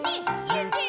「ゆっくり」